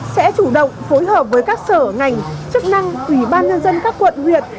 sẽ chủ động phối hợp với các sở ngành chức năng ủy ban nhân dân các quận huyện